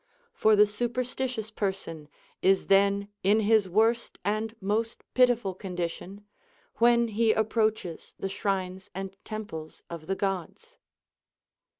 For the superstitious person is then in his worst and most piti ful condition, when he approaches the shrines and temples of the Gods.